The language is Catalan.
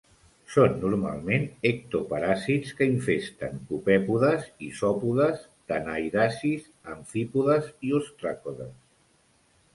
Són normalment ectoparàsits que infesten copèpodes, isòpodes, tanaidacis, amfípodes i ostracodes.